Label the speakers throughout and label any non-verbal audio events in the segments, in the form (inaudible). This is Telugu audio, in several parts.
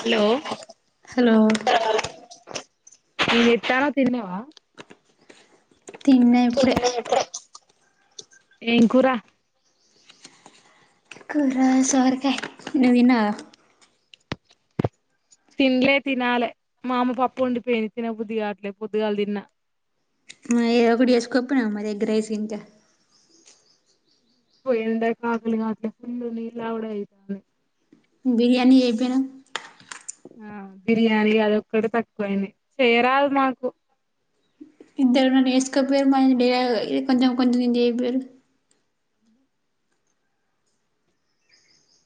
Speaker 1: హలో
Speaker 2: హలో
Speaker 1: ఏం జేత్తన్నావ్ తిన్నవా
Speaker 2: తిన్నా ఇప్పుడే
Speaker 1: ఏం కూరా
Speaker 2: కూర సొరకాయ నువ్వు తిన్నావా
Speaker 1: తినలే తినాలి మా అమ పప్పు ఉండిపోయిన్ది తినబుద్దిగా అట్లే పొద్దుగాల తిన్నా
Speaker 2: ఏదో ఒకటి చేసుకోకపోయినా ఎగ్ రైస్గింత
Speaker 1: పోయిండ కాకలు కాట్లే ఫుల్ నీల్ దాగుడే అయితా
Speaker 2: బిరియనీ చేయకపోయినవ్
Speaker 1: ఆ బిర్యానీ అది ఒక్కటి తక్కువయింది చేరాదు మాకు
Speaker 2: ఇద్దరు వేసుకపోయరు మ కొంచం కొంచం చేయపోయరు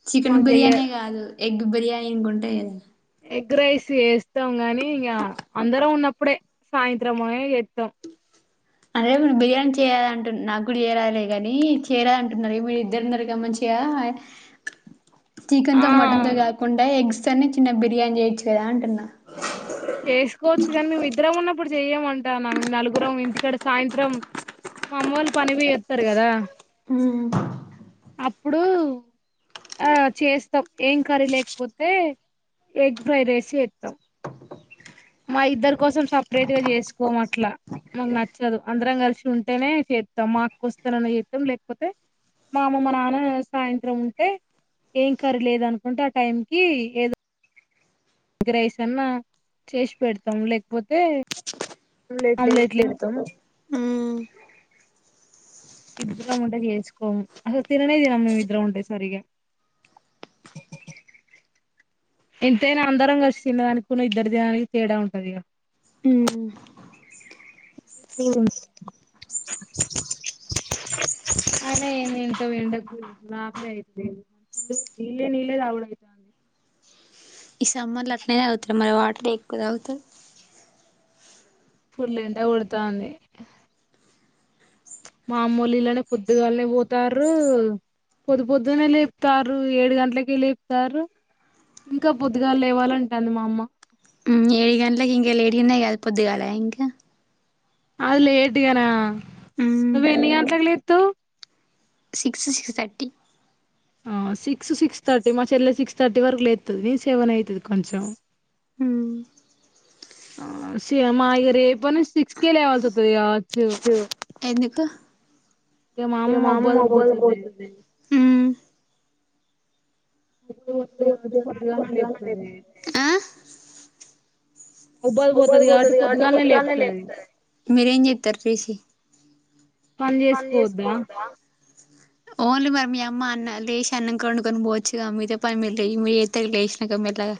Speaker 2: చికెన్
Speaker 1: మాకు
Speaker 2: బిర్యానీ
Speaker 1: చెయ్యరు
Speaker 2: కాదు ఎగ్ బిర్యానీ ఇంకుంటే క
Speaker 1: ఎగ్ రైస్ వేస్తాం గానీ ఇంక అందరం ఉన్న అప్పుడే సాయంత్రమ జేత్తం
Speaker 2: అంటే బిర్యానీ చేయాల అంటు నాకు కూడా చేయరాలేగాని చేయాల అంటున్నారుే మీరు ఇద్దరు ఉన్నారుర మచిగా (unintelligible)
Speaker 1: ఆ
Speaker 2: చికెన్తో మటన్తో కాకుండా ఎగ్స్ తోనే చిన్న బిర్యానీ చేయొచ్చు గదా అంటున్నా
Speaker 1: చేసుకోవచ్చు కానీ మేము ఇద్దరం ఉన్నప్పుడు చెయమంటానా మేము నలుగురం ఇంటికాడ సాయంత్రం మా అమ్మ వాళ్ళు పని పోయేత్తరు గదా
Speaker 2: హ
Speaker 1: అప్పుడు ఆ చేస్తాం ఏం కర్రీ లేకపోతే ఎగ్ ఫ్రై రేసి జేస్తాం మా ఇద్దరి కోసం సపరేట్ గా చేసుకోం అట్లా మాకు నచ్చదు అందరం కలిసి ఉంటేనే చేత్తం మాక్కోస్తానని చేత్తం లేకపోతే మా అమ్మ మా నాన్న సాయంత్రం ఉంటే ఏం కరిలేదు అనుకుంటే ఆ టైం కి ఏదో గ్ రైస్ అన్నా చేసి పెడతాం లేకపోతే
Speaker 2: ఇన్ల ఇట్లా ఏసి
Speaker 1: ఆమ్లెట్ లే
Speaker 2: పెడుతం
Speaker 1: ఇద్దరం ఉంటే చేసుకోము అసలు తిననే తినం మేము ఇద్దరం ఉంటే సరిగా ఎంతైనా అందరం కలిసి తిన్న దానికి ఇద్దరు దానికి తేడా ఉంటది
Speaker 2: ఉమ్
Speaker 1: ఆ అయిన ఏం వెళ్తాం ఎండకు గాబరా అయితది. ఇల్ నీళ్ళలే నీళ్లే తాగుడు అయితాంది
Speaker 2: ఈ సమ్మర్ లో అట్నే తాగుతారు మరి వాటర్ ఎక్కువ తాగుతారు
Speaker 1: ఫుల్ ఎండ కొడతాంది మామూలులోనే పొద్దుగాలనే పోతార్రు పొద్దు పొద్దునే లేపుతారు ఏడు గంటలకి లేపుతారు ఇంకా పొద్దుగాలు లేవాలంటంది మా అమ్మ
Speaker 2: ఏడు గంటలకి ఇంకా లేటుగా నే ఎదు పొద్దిగాల ఇంకా
Speaker 1: అది లేట్గానా నువ్వ ఎన్ని గంటలకు లేతవు
Speaker 2: six six thirty
Speaker 1: six six thirty మా చెల్లె సిక్స్ థర్టీ వరకు లేతుంది సెవెన్ అవుతది కొంచెం
Speaker 2: ఉం
Speaker 1: సేమా వ రేప నుంచి సిక్స్ కే లేెవాల్స్
Speaker 2: ఎందుక
Speaker 1: ఇగ మా అమ్మ
Speaker 2: మామ
Speaker 1: మబ్బు అది
Speaker 2: మబ్బుల పోతది
Speaker 1: కొ పొద్దుగాలనే లేపుతంది
Speaker 2: ఆ
Speaker 1: పోతది కాబట్టి పొద్దుగాలనే లేపుతది
Speaker 2: మీరేం చేతరు లేసి
Speaker 1: పని చేసుకోవద్దా
Speaker 2: ఓన్లీ మరి మీ అమ్మ అన్న లేచి అన్నం కొండుకొని పోవచ్చుగా మీతో పనిరు లే మీరు అయితే లేచినాకళ ఆ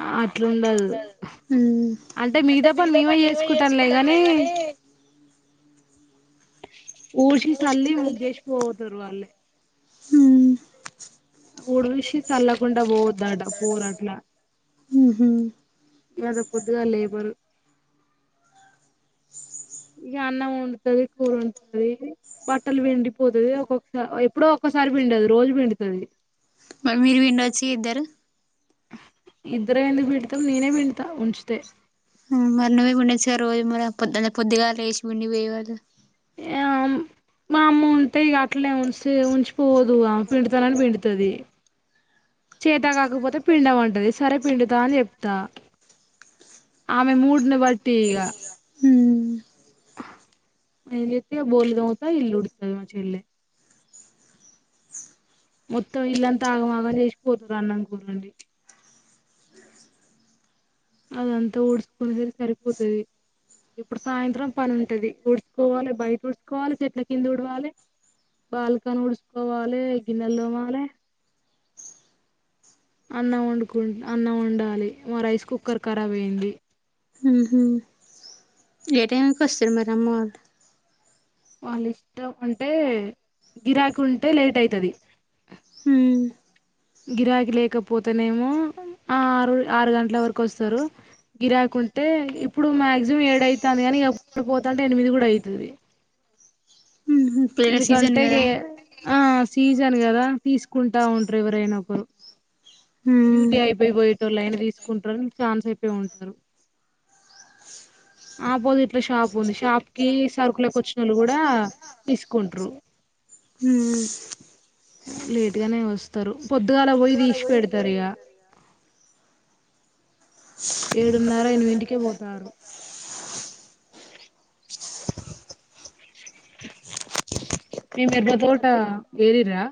Speaker 1: ఆ అట్లుండదు అంటే మిగతాప్పని మేమే చేసుకుంటాంలే కానీ ఊడిషి చల్లి ముగ్గు కేష్ పోతరువాలి ఉడిసి చల్లకుండా పోద్దట పోరు అట్లా
Speaker 2: ఉహు
Speaker 1: గంత పొద్దుగాల లేబరు ఇక అన్నం వండుతది కూర వండుతది బట్టలు పిండిపోతది ఒక్కొక్కసారి ఎప్పుడో ఒకసారి సారి పిడుదు రోజు పిండుతుది
Speaker 2: మరి మీరు విండొచ్చు ఇద్దరు
Speaker 1: ఇద్దరం ఎందుకు పిండుతాం నేనే పిండుతా ఉంచితే
Speaker 2: మరి నువ్వే పిండొచ్చు కదా సే రోజు మ పోద్గా లేసి పండి వయాలు
Speaker 1: ఆ మా అమ్మ ఉంటే ఇక అట్లా ఉ ఉంచిపోదు పిండుతానని పిండుతుంది చేతా కాకపోతే పిండ మంటది సరే పిండుతా అని చెప్తా ఆమె మూడ్న బర్టి ఈగ
Speaker 2: పోయేవాళ్ళు
Speaker 1: లేతే బోల్దత ఇల్లుడతది మా చెల్లే మొత్తం ఇల్లంతా ఆగమాగం చేసిపోతరు అన్నము కూరండి అదంతా ఊడ్చుకుని సరికే సరిపోతది ఇప్పుడు సాయంత్రం పని ఉంటది ఉడ్చుకోవాలి బయట ఉడ్చుకోవాలి చెట్ల కింద ఉడవాలి బాల్కని ఉడ్చుకోవాలి గిన్నెలు దోమ్మాలే అన్నం వండుకు అన్నం వండాలి మా రైస్ కుక్కర్ ఖరాబబ్యయింది
Speaker 2: ఉహు ఏ టైకి వస్తారు మరి అమ్మవాళ్ళు
Speaker 1: వాళ్ళ ఇష్టం అంటే గిరాకు ఉంటే లేట్ అయితది
Speaker 2: ఉమ్
Speaker 1: గిరాకి లేకపోతేనేమో ఆ ఆరు ఆరు గంటల వరకు వస్తారు గిరాకి ఉంటే ఇప్పుడు మాక్సిమం ఏడవుతుంది కాగాని పోను పోతుంటే ఎనిమిది కూడా అయితది
Speaker 2: ఉహు పెళ్ళిళ్ళ సీజన్
Speaker 1: ఎందుకంటే ఇగ
Speaker 2: కదా
Speaker 1: ఆ సీజన్ కదా తీసుకుంటా ఉంటరు ఎవరైనా ఒకరు
Speaker 2: ఉమ్
Speaker 1: డ్యూటీ అయిపోయిపోయేటోళ్ళైైన తీసుకుంటారుని ఛాన్స్ అయిపోయి ఉంటారు ఆపోజిట్ లో షాప్ ఉంది షాప్ కి సరుకు కి వచ్చిన వాళ్ళు కూడా ఇసుకుంటు
Speaker 2: ఉమ్
Speaker 1: లేట్గానే వస్తారు పొద్దుగా అలా పోయి తీసి పెడతారు ఇక ఏడున్నర అయిన ఇంటికే పోతారు మీం ఎద్ద తోట ఏరరా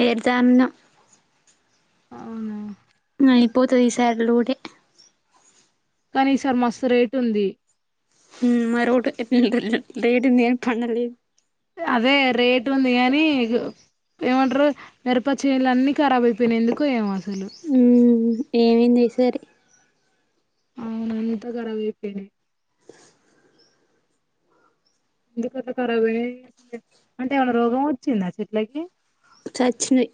Speaker 2: ఏర్దాను
Speaker 1: అవునా
Speaker 2: న ఇపోతు ఈసార్లడ
Speaker 1: కానీ ఈసార్ మస్తు రేట్ ఉంది
Speaker 2: మరోడు రడుంది ఏను పనలే
Speaker 1: అదే రేట్ ఉంది కానీ ఏమంటారు మిరప చేనులు అన్నిీ ఖరాబ్ అయిపోయినందుకు ఏం అసలు
Speaker 2: ఉమ్ ఏమైంది సరి
Speaker 1: అవునుీంత కర వేపోయినే ఎందుకంత కరాబ్ అంటే ఏమైనా రోగం వచ్చిందా చెట్లకి
Speaker 2: సచ్చినయి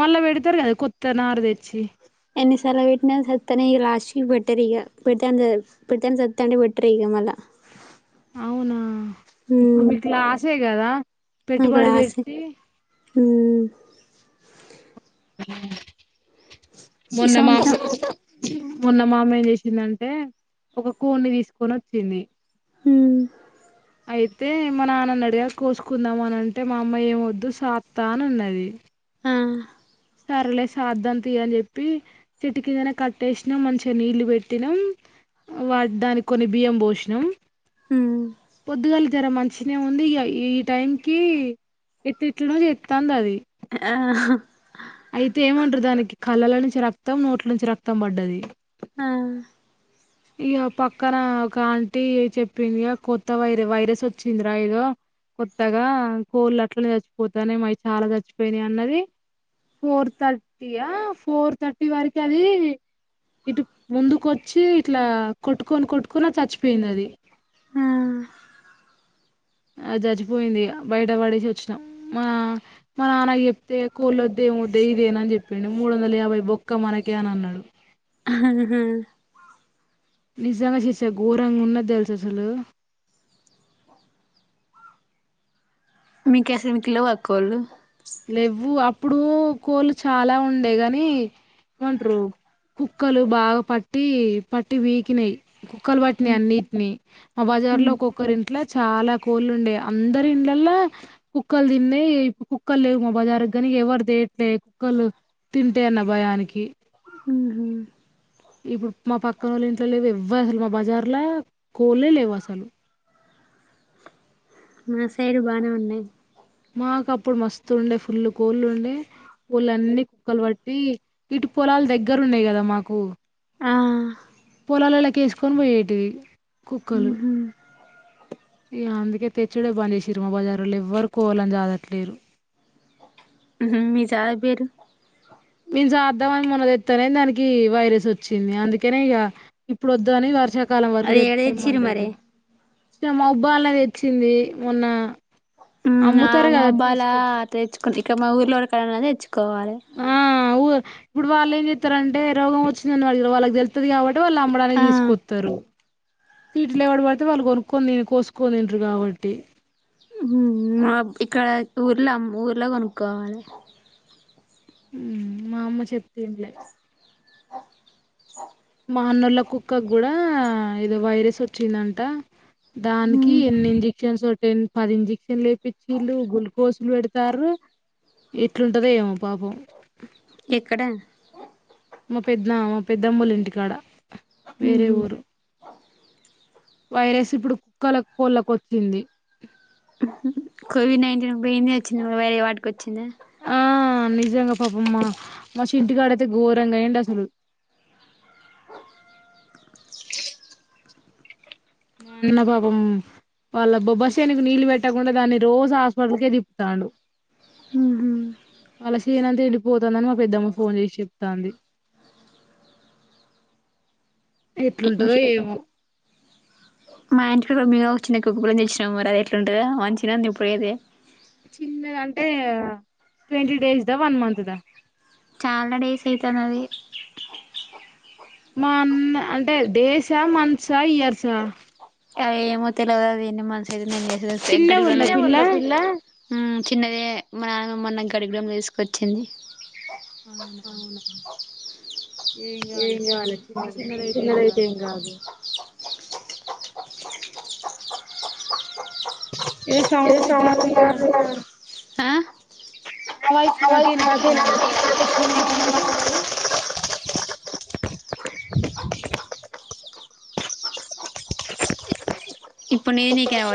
Speaker 1: మళ్ళా పెడతారు కదా కొత్త నారు తెచ్చి
Speaker 2: ఎన్ని స్ల వటి సత్త లాస్ట్ బ పెట్టర్ పె పెడుతే సత్తాడి బెట్టర్ అ మల
Speaker 1: అవునా ఇప్పుడు మీకులా ఆసేయి కదా పెట్టుబడి పెట్టి
Speaker 2: ఆ ఈ
Speaker 1: మొన్నమా
Speaker 2: సంవత్సరం
Speaker 1: మొన్న మామ ఏం చేసిందంటే ఒక కూడి ని తీసుకొని వచ్చింది
Speaker 2: హ
Speaker 1: అయితే మా నాన్నని అడిగా కోసుకుందాం అని అంటే మా అమ్మయి ఏమ వద్దు సాత్తా అని ఉన్నది
Speaker 2: ఆ
Speaker 1: సరలే సాధం అని చెప్పి చెట్ కిందనే కట్టేసినా మంచిగా నీళ్లు పెట్టినాం వా దానికి కొన్ని బియ్యం పోోషణం
Speaker 2: ఉమ్
Speaker 1: పొద్దుగాలి చరా మంచిిన ఉంది ఈ టైం కి ఎట్టెట్ ను చేతంది అది
Speaker 2: ఆ
Speaker 1: అయితే ఏమంటారు దానికి కళ్ళల నుంచి రక్తం నోట్ల నుంచి రక్తం పడ్డది
Speaker 2: ఆ
Speaker 1: ఇక పక్కన ఒక ఆంటీ చెప్పింది ఇక కొత్త వై వైరస్ వచ్చిందిరా ఏదో కొత్తగా కోళ్ళు అట్లు చచ్చిపోతానే మవి చాలా చచ్చిపోయినాయి అన్నది ఫోర్ థర్టీయా ఫోర్ థర్టీ వరకి అది ఇటు ముందుకు వచ్చి ఇట్లా కొట్టుకొని కొట్టుకొని చచ్చిపోయింది అది
Speaker 2: ఆ
Speaker 1: ఆ చచిపోయింది ఇ బయట పడేసి వచ్చినాం మా మా నాన్న చెప్తే కోళొద్ద వద్ద ఇదేన అని చెప్పిండు మూడు వందల యాభై బొక్క మనకే అని అన్నాడు
Speaker 2: హ
Speaker 1: నిజంగా చేసా ఘోరంగా ఉన్న తెలుసు అసలు
Speaker 2: మీకు అసలుకి లేవా కోళ్లు
Speaker 1: లేవ్వు అప్పుడు కోళ్ళు చాలా ఉండే గాని ఉంటారు కుక్కలు బాగా పట్టి పట్టి వీకినాయి కుక్కలు వాటిని
Speaker 2: ఉమ్
Speaker 1: అన్నిటిని మా బజార్ లో
Speaker 2: ఉమ్
Speaker 1: ఒొక్కరి ఇంట్లో చాలా కోళ్ళు ఉండే అందరి ఇంలలా కుక్కలు తిన్నే కు కుక్కలు లేవు మా బజార్ కానీ ఎవరు తేయట్లే కుక్కలు తింటే అన్న భయానికి
Speaker 2: ఉహు
Speaker 1: ఇప్పుడు మా పక్కన వాళ్ళ ఇంట్లో లేవు ఇవ్వవు అసలు మా బజార్లో కోలే లేవు అసలు
Speaker 2: మా సైడు బానే ఉన్నాయ్
Speaker 1: మాకు అప్పుడు మస్తు ఉండే ఫుల్లు కోళ్ళు ఉండే ఒళ్లన్నీ కుక్కలు బట్టి ఇటు పొలాలు దగ్గర ఉన్నాయి కదా మాకు
Speaker 2: ఆ
Speaker 1: పొలలలోకియేసుకొని పోయేటివి కుక్కలు
Speaker 2: ఉహు
Speaker 1: ఇగ అందుకే తెచ్చుడే బంద్ చేసిరు మా బజారులో ఎవ్వరు కోళ్లని చదట్లేరు
Speaker 2: ఉహు మీ సార్ పేరు
Speaker 1: జాద్దాం అని మొన్న దెత్తేనే దానికి వైరస్ వచ్చింది అందుకనే ఇగ ఇప్పుడు వద్దు అని వర్ష కాలం వరకు
Speaker 2: అది
Speaker 1: తె
Speaker 2: ఏడ
Speaker 1: తెమ్మని
Speaker 2: తెచ్చిర్రు మరి
Speaker 1: చెపినా ఏ మొబ్బలన తెచ్చింది మొన్న
Speaker 2: ఉమ్ ఆ
Speaker 1: అమ్ముతారు కదా
Speaker 2: మొబ్బల
Speaker 1: తీసుకొచ్చి
Speaker 2: తెచ్చుకు ఇడా మా ఊర్లో ఒక కళ తెచ్చుకు కోవాలే
Speaker 1: ఆ ఊ ఇప్పుడు వాళ్ళు ఏం చెస్తారంటే రోగం వచ్చింద వాడి వాళ్ళకి తెళ్తుంది కాబట్టి వాళ్ళు అమ్మడానికి
Speaker 2: ఆ
Speaker 1: తీసుకొస్తారు తిట్లులేవడ పడితే వాళ్ళు కొనుక్కొని కోసుకోని తింట్రారు కాబట్టి
Speaker 2: ఉహు ఇక్కడ ఊర్లోమ్ ఊర్లో కొనుక్కోవాలే
Speaker 1: ఉమ్ మా అమ్మ చెప్తే ఇన్లే
Speaker 2: ఆ
Speaker 1: మా అన్నోళ్ల కుక్కకు కూడా ఏదో వైరస్ వచ్చిందంట దానికి
Speaker 2: ఉమ్
Speaker 1: ఎన్ని ఇంజెక్ షన్స్ పది ఇంజెక్షన్ లెప్పించిల్లు గుల్కోసులు పెడ్ తారు ఎట్లుంటదో ఏమో పాపం
Speaker 2: ఇక్కడే
Speaker 1: మా పెద్దనా మా పెద్దమ్మోళ్ళ ఇంటికాడ వేరే
Speaker 2: ఉహు
Speaker 1: ఊరు వైరస్ ఇప్పుడు కుక్కల కోళ్ళకు వచ్చింది
Speaker 2: కోవిడ్ నైన్టీన్కిబింది వచ్చింది వేరే వాటికి వచ్చిందా
Speaker 1: ఆ నిజంగా పాపమ్మా మా చింతుగడైతే గోరంగైడశాలు మా అన్న పాపం వాళ్ళ బొ బసనికి నీళ్ళు పెట్టకుండా దాన్ని రోజు హాస్పిటల్కే తిప్పుతాడు
Speaker 2: ఉహు
Speaker 1: వాళ్ళ శేనంత ఎండి పోతందాని మా పెద్దమ్మ ఫోన్ చేసి చెప్తాంది ఎట్లుంటందో
Speaker 2: మిష
Speaker 1: ఏమో
Speaker 2: మా ఇంటికాడా మేము ఒక చిన్న కుక్క పిల్ల తెచ్చినము మరి అది ఎట్లు ఉంటాదో మంచిదాన్ ఇప్పుడు ఏది
Speaker 1: చిన్నద అంటే ట్వంటీ డేస్ దా వన్ మంత్ దా
Speaker 2: చాలా డేస్ అయితందది
Speaker 1: మా అన్న అంటే డేసా మంత్స్ ఈయర్స
Speaker 2: అ ఏమో తెలవదది ఏన్ని మంత్స్ అయి నేన్ చేసేద్ది (unintelligible)
Speaker 1: చిన్నగా ఉందా
Speaker 2: చిన్నగుందా పిల్ల ఉమ్ చిన్నదే మా నాన్నమ్మ నా గడిగడ వేసుకొచ్చింది
Speaker 1: అవునా
Speaker 2: ఏం కావాలి చిన్నది చిన్నరైతే ఏం కాదు ఏ సౌండ్ అయితందిగా ఆ
Speaker 1: న వాయిస్ నాకే వినపడుతంది (unintelligible) మరి
Speaker 2: ఇప్పు నేన్ నిక్ ఎవల్